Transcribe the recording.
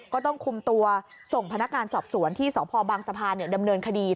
ก็ต้องคุมตัวส่งพนักงานสอบสวนที่สพบางสะพานดำเนินคดี